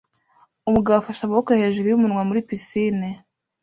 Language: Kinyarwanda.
Umugabo afashe amaboko hejuru yumunwa muri pisine